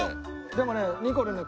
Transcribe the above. でもねにこるんね